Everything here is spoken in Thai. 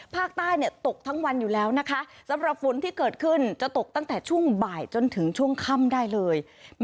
ภาคใต้ตกทั้งวันอยู่แล้วนะคะสำหรับฝนที่เกิดขึ้นจะตกตั้งแต่ช่วงบ่ายจนถึงช่วงค่ำได้เลย